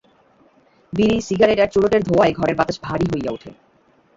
বিড়ি, সিগারেট আর চুরুটের ধোঁয়ায় ঘরের বাতাস ভারী হইয়া ওঠে।